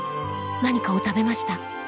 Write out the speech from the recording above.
何かを食べました。